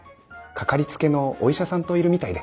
かかりつけのお医者さんといるみたいで。